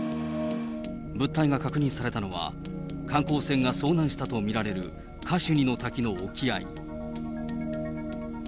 物体が確認されたのは、観光船が遭難したと見られるカシュニの滝の沖合。